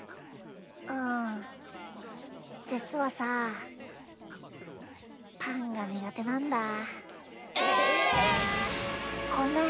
うんじつはさパンがにがてなんだ。え！？ごめん。